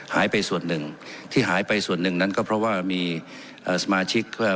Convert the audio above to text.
หายไปส่วนหนึ่งที่หายไปส่วนหนึ่งนั้นก็เพราะว่ามีเอ่อสมาชิกเอ่อ